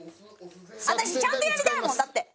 私ちゃんとやりたいもんだって。